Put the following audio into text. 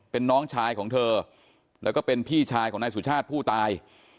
เป็นน้องชายของเธอแล้วก็เป็นพี่ชายของนายสุชาติผู้ตาย